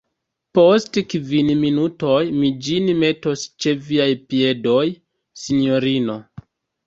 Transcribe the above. Post kvin minutoj mi ĝin metos ĉe viaj piedoj, sinjorino.